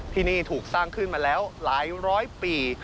ที่นี่ถูกสร้างขึ้นมาแล้วหลายร้อยปี